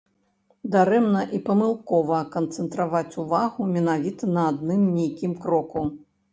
Дарэмна і памылкова канцэнтраваць увагу менавіта на адным нейкім кроку.